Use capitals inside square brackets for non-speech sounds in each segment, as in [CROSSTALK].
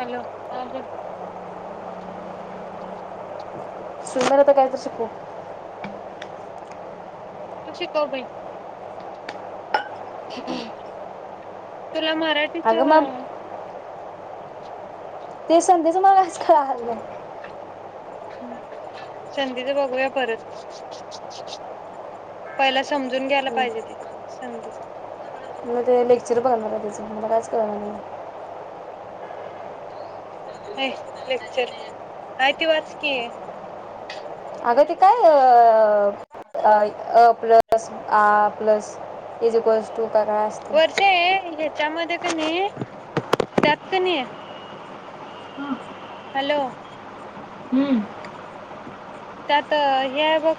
Hello हा बोल सुंदरता कायतर शिकू त्याला शिकव बाई ह्म तुला मराठीचा ती संधीच मलाच [UNINTELLIGIBLE] संधीचा बघूया परत पहिला समजून घ्यायला पाहिजे ते संधी मला ते लेक्चर बघणार त्याचं मला कायच कळणार नाही अय लेक्चर आहे ते वाच की अगं ते काय अ अ प्लस आ प्लस इजिकवास टू काय काय असते वर्षें ह्याच्यामध्ये का नाही त्यात क नाही हॅलो हम्म त्यात हे आहे बघ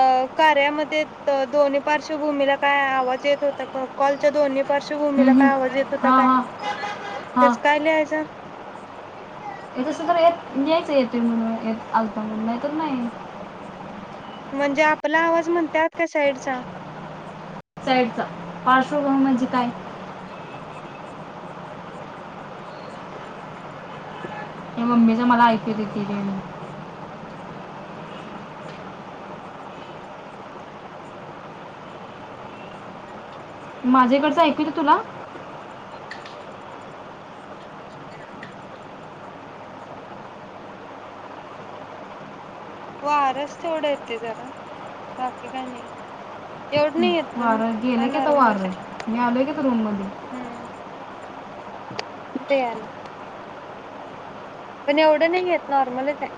अ कार्यामध्ये द दोन्ही पार्श्वभूमीला काय आवाज येत होता का, कॉलच्या दोन्ही पार्श्वभूमीला हम्म. काय आवाज येत होता हा काय हा हा तेच काय लिहायचं [INAUDIBLE] येत असेल तर येत लिहायचा येतय म्हणून येत आलता म्हणून नाही तर नाही म्हणजे आपला आवाज म्हणत्यात का साइडचा? साइडचा पार्श्वभूमी म्हणजे काय? [INAUDIBLE] त हे मम्मीच मला ऐकते तीण. कितीं तुला वाराचं तेवढं येत जरा बाकी काय नाही एवढं नाही येत पण वारा हा गेलं की आता वार नॉर्मलच आहे मी आलोय कि इथं रूम मध्ये हम्म ते आले पण एवढं नाही आहेत नॉर्मलच आहे.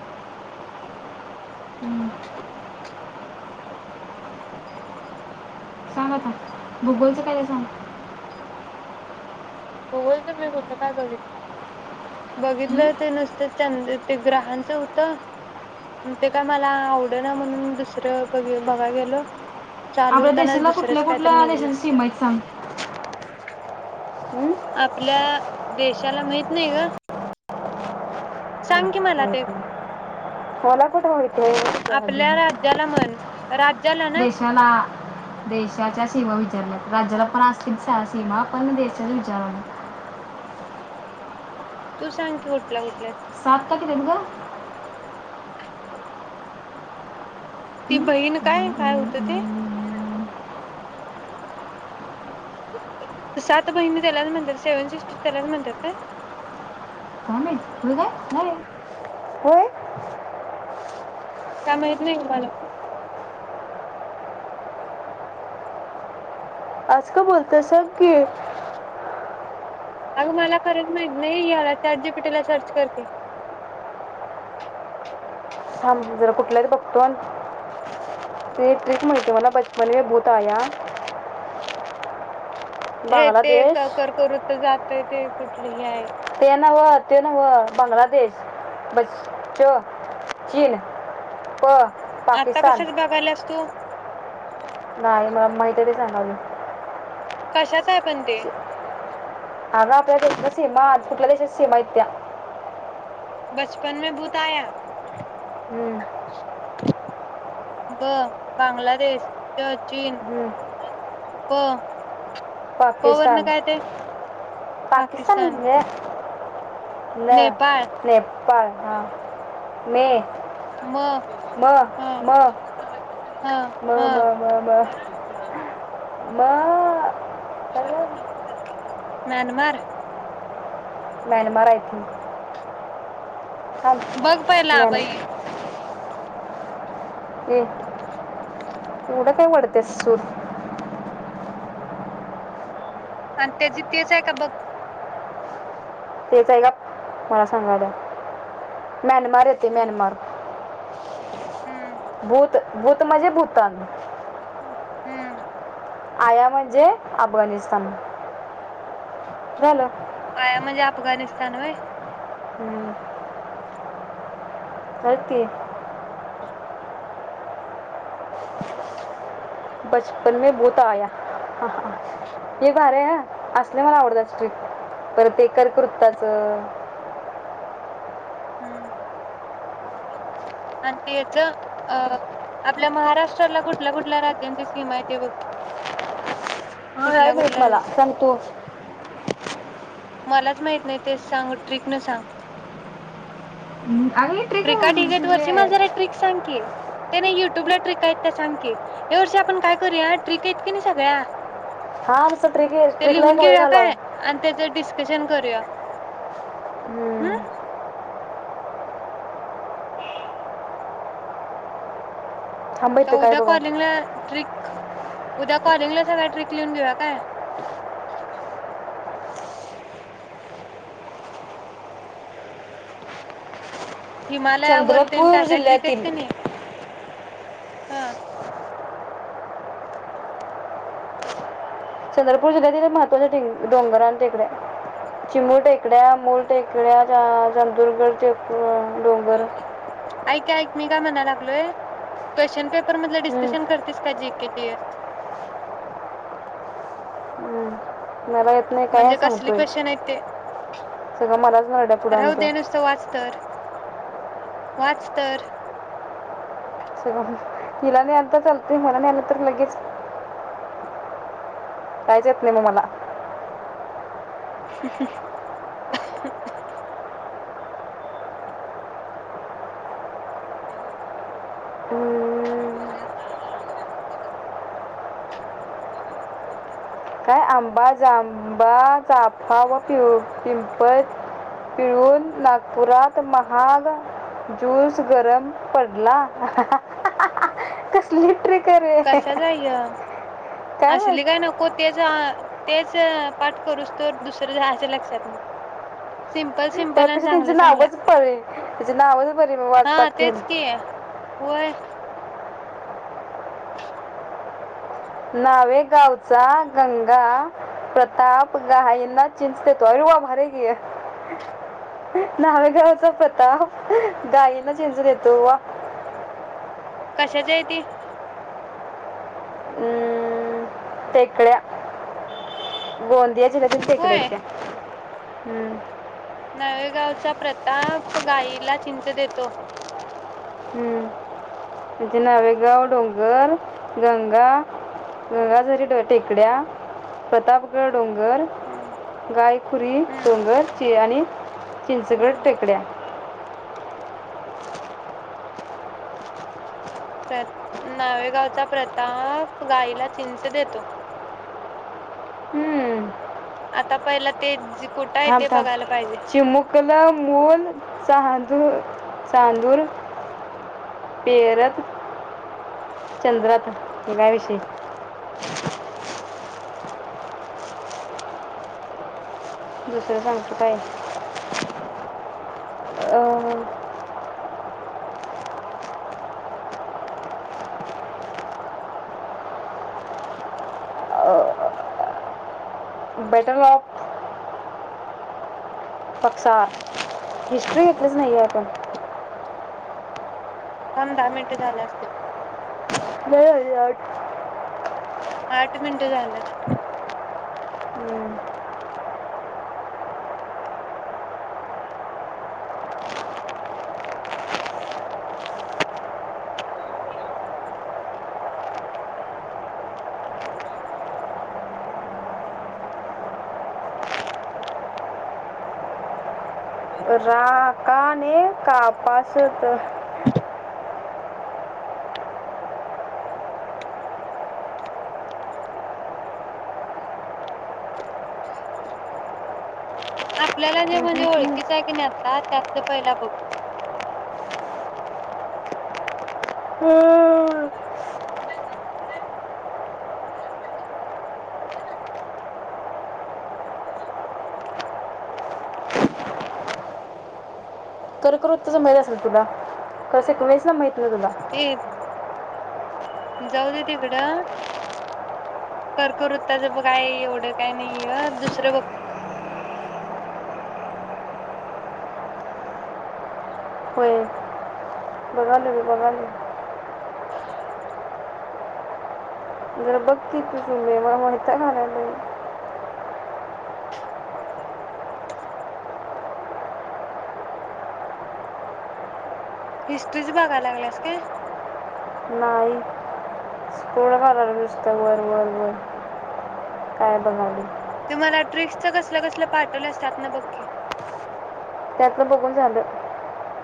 हम्म. सांग आता भूगोलचं काय आहे सांग? भूगोलच मी कुठं काय बघित हं? बघितलं ते नुसत चंद ते ग्रहांचा होतं ते काय मला आवड ना म्हणून दुसरं बघ बघा गेलो आपल्या चालूताना देशाला कुठल्या दुसरंच काय तर कुठल्या निघलं. देशाची सीमा आहेत सांग हं? आपल्या देशाला माहित नाही ग सांग की मला ते मला कुठे माहितीये आपल्या राज्याला म्हण राज्याला ना देशाला देशाच्या सीमा वी राज्याला आपण आस् सीमा आपण देशाच्या विचार तू सांग कि कुठल्या कुठल्या सात का किती आहेत ग ती बहीण काय? काय होत हं? ते सात बहिणी त्यालाच म्हणतात सेव्हन सिस्टर त्यालाच म्हणतात काय? काय नाही. होय [INAUDIBLE] का माहीत नाही मला तर आज का बोलतय सांग की अग मला खरच माहि नाही याला त्या आ जीपीटीला सर्च करते. थांब जरा कुठला तर बघतो ते त्रीच म्हणते मला बचपन व भूत आ या. हे ते क कर्क वृत्त जा ते ते कुठलेही आहे. ते नव ते नव बांग्लादेश बस. चीन. प आता पाकिस्तान कशाच बघायल्यास तू? नाही मला माहीतरी सांगावी. कशाचा आहे. पण ते अग आपल्या देश सीमा कुठल्या देशाच्या सीमा येत त्या? बचपन मे बूत आया. हम्म. ब बांगलादेश च चीन हम्म. प प वरन पाकिस्तान. काय ते पाकिस्तान ने न नेपाळ. हां ह [UNINTELLIGIBLE] मे. म म ह म ह. म म ह म म मअं म्यानमार. मॅनमाार आहेत ये. बघ पहिला बाई ये एवढं काय वडतेस सूर आणि त्या जि तेच आहे का बघ. तेच आहे गप, मला सांगायल्या. म्यानमार ते हम्म म्यानमार हम्म बूत. भूत म्हणजे भूतान ह आया म्हणजे अफगाणिस्तान झालं आया म्हणजे अफगाणिस्तान वय हम्म व्हय की बचपन मे भूत आया हे भारी आहे, ह असले मला आवडत स्ट्रीक पर ते कर कुर्ताच हम् आणि ते याच अं आपल्या महाराष्ट्राला कुठल्या कुठल्या राज्यांची सीमा आहे ते बघ हा याई कुठला माहित कुठला मला सांग तू मलाच माहित नाही तेच सांग ट्रिक न सांग हम् ट्रिका ढीग आहेत वरची मला जरा एक ट्रिक सांग की, ते नाही युट्यूब ला ट्रिक आहेत त्या सांग की, या वर्षी आपण काय करूया ट्रिक आहेत कनी सगळ्या हा नुसतं ट्रिक ते ट्रिकला लिहून एक वेळ घिव्या घालाव काय आणि तेझ डिस्क कशन करूया हम्म थांब आता इथं काय उद्या बघा कॉलिंगला ट्रिक उद्या कॉलिंगला सगळ्या ट्रिक लिहून घिव्या काय? हिमालयावर तेन चंद्रपूर काय काय ट्रिक आहेत जिल्ह्यातील कनी हा चंदपूर जिल्ह्या तील महत्वाच्या डोंगर- टेकड्या, चिमूळ टेकड्या, मुळ टेकड्या पण [UNINTELLIGIBLE] [INAUDIBLE] ऐक ऐक मी काय म्हणालोय क्वेशन पेपर मधलं हम्म, डिस्कशन करतेस का जी के जी एस हम्म. मला येत नाही काय म्हणजे कसली सांगतोय, क्वेश्चन आहेत ते सगळं मलाच नरड्या पुढ राहू आणत्या दे नुसतं वाच तर वाच तर हिला नाही आंत चालत मला मारलं तर लगेच कायच येत नाही म मला [INAUDIBLE] [INAUDIBLE] हम्म, [INAUDIBLE] काय आंबा, जांभा, चाफा, व पिव पिंपळ पिळून नागपुरात महाग जूस गरम. पडला कसली ट्रिक. रे कशाच हाय य असली काय नको तेच अ. तेच अ पाठ करूस तवर दुसरं लिह्यायच लक्षात नाई. हा तेच की होय [UNINTELLIGIBLE] नावे गावचा गंगा प्र. [UNINTELLIGIBLE] नावेगावचा पता गाईना झिंजून येतो वा. कशाच्या आहे ते. तेेकड्या गो याच हेज्यातील टेकड्या होय आहेत त्या हूं. नवेगावचा प्रताप गाईला चिंच देतो. त्याची नावे गाव डोंगर, गंगा गंगाधरी टेकड्या, प्रतापगड. डोंगर हम्म गायखुरी हम्म डोंगरची आणि चिंचगड हम्म टेकड्या. प्र नावेगावचा प्रताप गाईला चिंच देतो. हम्म. आता पहिला ते जीक थांब, थांब चिमुकलं मुल चांदूर. चांदूर पेरथ. चंद्रात हे काय विषय. [INAUDIBLE] दुसरा सांगतोय काय? [INAUDIBLE] [INAUDIBLE] [INAUDIBLE] Better off. हिस्ट्री घेतलीच नाही ग आपण. दहा मिनिट झाल्या असतील. [UNINTELLIGIBLE] आठ मिनटं झाल्या. हूं! [UNINTELLIGIBLE] [INAUDIBLE] [INAUDIBLE] राग काने कापासत. [INAUDIBLE] आपल्याला जे म्हणजे ओळखीचं हाय की नाय आत हा त्यातलं पहिला बुक [UNINTELLIGIBLE] करू-करू तं संभाळली अस तुला कस वेळेस ना माहित नाही तुला ए जाऊ दे तिकडं कर्कवृत्ताच काय बग हाय एवढं काय नाही येतं दुसरं बग [UNINTELLIGIBLE] बघालोय - बघलोय जर बघकी तुझ मला वैताग आलाय लई [INAUDIBLE] हिस्ट्रीच बघायला लागल्यास काय? नाही [INAUDIBLE] वर वर वर काय बघावी ते मला ट्रिक्सच कसलं कसल पाठवल्यास त्यातंन बघ की त्यातन बघून झालं